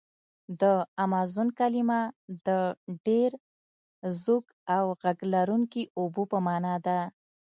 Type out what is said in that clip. د امازون کلمه د ډېر زوږ او غږ لرونکي اوبو په معنا ده.